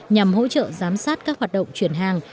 nhằm hỗ trợ giám sát các hoạt động chuyển hàng